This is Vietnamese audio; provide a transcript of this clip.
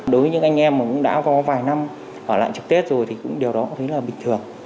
đối với những anh em mà cũng đã có vài năm ở lại trực tết rồi thì cũng điều đó cũng thấy là bình thường